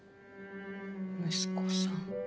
息子さん。